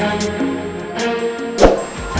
gue mau pergi ke rumah